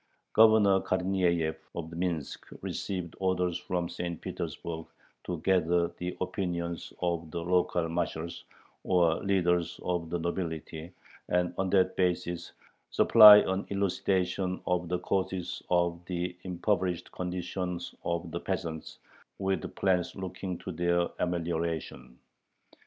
Governor Karnyeyev of Minsk received orders from St. Petersburg to gather the opinions of the local Marshals, or leaders of the nobility, and on that basis supply "an elucidation of the causes of the impoverished condition of the peasants," with plans looking to their amelioration.